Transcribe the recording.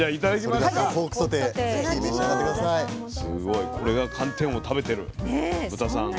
すごいこれが寒天を食べてる豚さんの。